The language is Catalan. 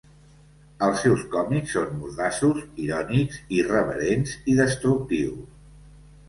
Els seus còmics són mordaços, irònics, irreverents i destructius.